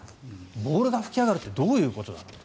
ボールが吹き上がるってどういうことなんだと。